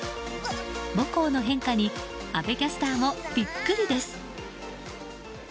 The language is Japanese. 母校の変化に阿部キャスターもビックリです。